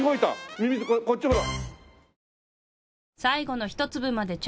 ミミズクこっちほら。